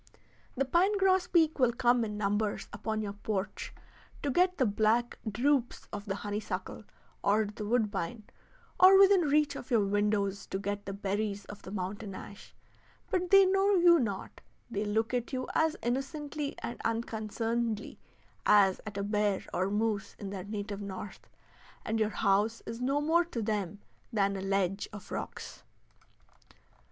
The pine grosbeak will come in numbers upon your porch, to get the black drupes of the honeysuckle or the woodbine, or within reach of your windows to get the berries of the mountain ash, but they know you not; they look at you as innocently and unconcernedly as at a bear or moose in their native north, and your house is no more to them than a ledge of rocks.